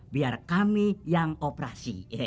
biar kami yang operasi